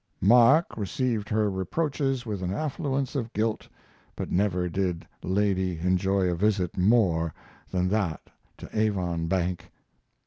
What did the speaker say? Mark received her reproaches with an affluence of guilt, but never did lady enjoy a visit more than that to Avonbank.